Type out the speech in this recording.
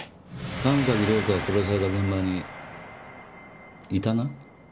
神崎涼子が殺された現場にいたな？